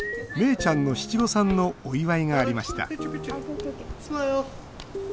ちゃんの七五三のお祝いがありました。